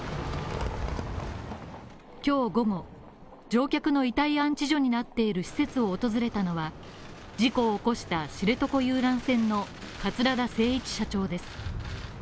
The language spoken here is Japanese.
今日午後、乗客の遺体安置所になっている施設を訪れたのは事故を起こした知床遊覧船の桂田精一社長です。